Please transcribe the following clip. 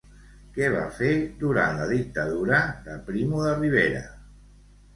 Què va fer durant la Dictadura de Primo de Rivera?